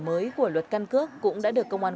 mới của luật căn cước cũng đã được công an